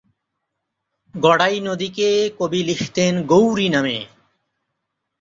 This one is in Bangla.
গড়াই নদীকে কবি লিখতেন গৌরী নামে।